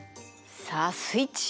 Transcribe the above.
さあスイッチオン！